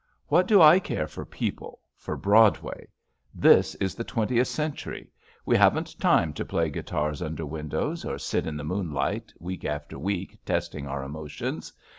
What do I care for people, for Broadway? This is the twen tieth century I We haven't time to play guitars under windows or sit in the moonlight week after week testing our emotions.